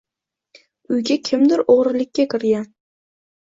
Uyga kimdir o’g’irlikka kirgan